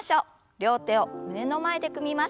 両手を胸の前で組みます。